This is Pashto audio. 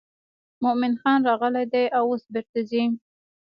مومن خان راغلی دی او اوس بیرته ځي.